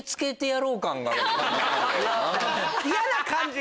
嫌な感じが？